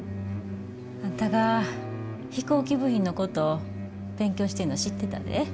あんたが飛行機部品のこと勉強してんのは知ってたで。